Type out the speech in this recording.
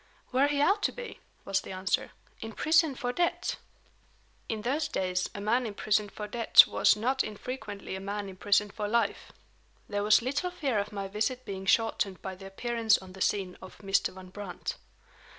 "Where he ought to be," was the answer. "In prison for debt." In those days a man imprisoned for debt was not infrequently a man imprisoned for life. There was little fear of my visit being shortened by the appearance on the scene of Mr. Van Brandt.